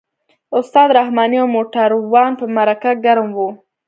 استاد رحماني او موټروان په مرکه ګرم وو.